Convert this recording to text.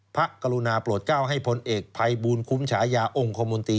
กรุณาโปรดก้าวให้พลเอกภัยบูลคุ้มฉายาองค์คมนตรี